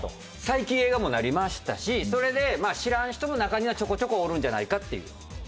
最近映画もなりましたしそれで知らん人も中にはちょこちょこおるんじゃないかっていう。